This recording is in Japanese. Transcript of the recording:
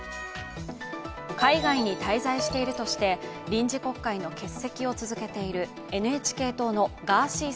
海外に滞在しているとして臨時国会の欠席を続けているＮＨＫ党のガーシー